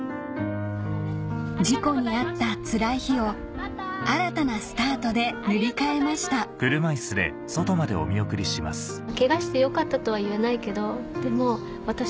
事故に遭ったつらい日を新たなスタートで塗り替えましたでも。